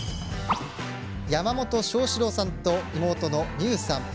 山本将志郎さんと妹の実夢さん。